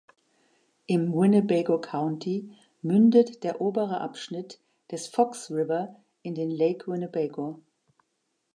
Im Winnebago County mündet der obere Abschnitt des Fox River in den Lake Winnebago.